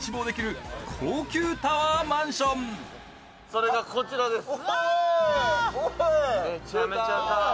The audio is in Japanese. それがこちらです。